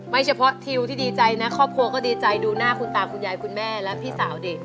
เฉพาะทิวที่ดีใจนะครอบครัวก็ดีใจดูหน้าคุณตาคุณยายคุณแม่และพี่สาวดิ